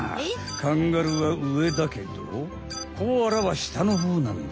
カンガルーは上だけどコアラは下のほうなんだ。